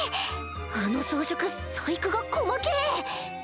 あの装飾細工が細けぇ！